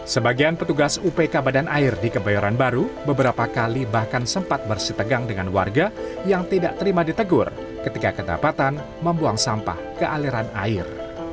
sebagian petugas upk badan air di kebayoran baru beberapa kali bahkan sempat bersitegang dengan warga yang tidak terima ditegur ketika kedapatan membuang sampah ke aliran air